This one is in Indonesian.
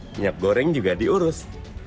minyak goreng juga diurus